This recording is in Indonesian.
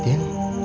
oh ya din